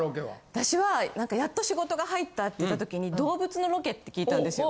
私はやっと仕事が入ったって時に動物のロケって聞いたんですよ。